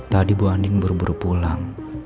tadi bu andin buru buru pulang